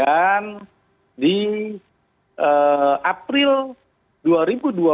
kapolres yang baru akbp yogi ini mengemban kurang lebih di bulan